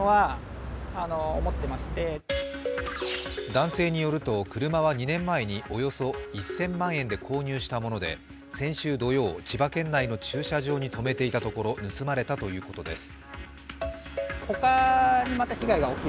男性によると、車は２年前におよそ１０００万円で購入したもので先週土曜、千葉県内の駐車場に止めていたところ盗まれたということです。